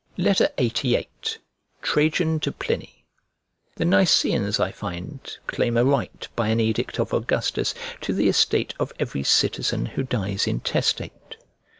LXXXVIII TRAJAN TO PLINY THE Niceans I find, claim a right, by an edict of Augustus, to the estate of every citizen who dies intestate.